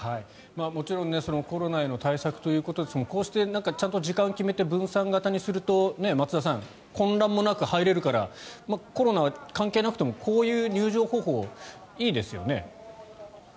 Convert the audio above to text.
もちろんコロナへの対策ということでこうしてちゃんと時間を決めて分散型にすると松田さん、混乱もなく入れるからコロナは関係なくてもこういう入場方法はいいですよね。